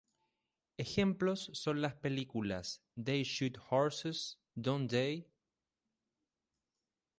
Ejemplos son las películas "They Shoot Horses, Don't They?